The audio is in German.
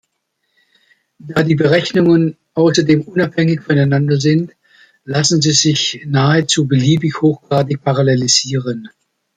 Da die Berechnungen außerdem unabhängig voneinander sind, lassen sie sich nahezu beliebig hochgradig parallelisieren.